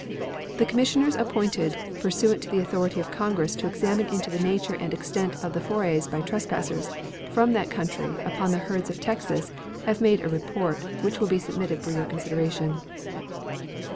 The commissioners appointed pursuant to the authority of Congress to examine into the nature and extent of the forays by trespassers from that country upon the herds of Texas have made a report, which will be submitted for your consideration.